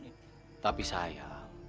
kok oh kayaknya